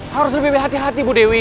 harus lebih berhati hati bu dewi